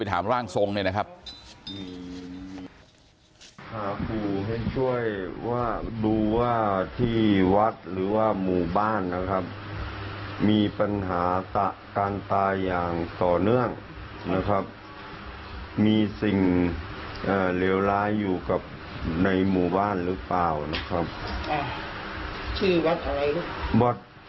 พาผู้ให้ช่วยว่าดูว่าที่วัดหรือว่าหมู่บ้านนะครับมีปัญหาการตายอย่างต่อเนื่องนะครับมีสิ่งเลี่ยวร้ายอยู่ในหมู่บ้านหรือเปล่านะครับ